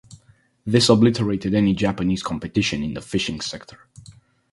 This obliterated any Japanese competition in the fishing sector.